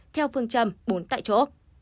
theo phương châm bốn tại chỗ